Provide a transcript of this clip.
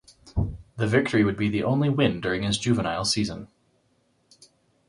The victory would be the only win during his juvenile season.